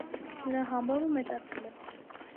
Նրա համբավը մեծացել է։